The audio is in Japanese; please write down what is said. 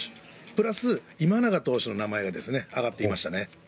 プラス、今永投手の名前が挙がっていましたね。